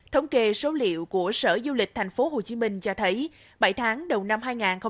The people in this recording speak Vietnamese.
thống kê số liệu của sở du lịch tp hcm cho thấy bảy tháng đầu năm hai nghìn hai mươi